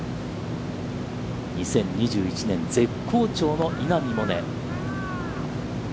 ２０２１年、絶好調の稲見萌寧。